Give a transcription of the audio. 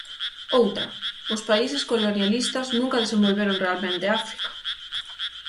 Outra: Os países colonialistas nunca desenvolveron realmente África.